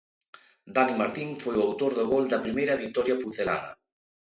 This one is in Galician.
Dani Martín foi o autor do gol da primeira vitoria pucelana.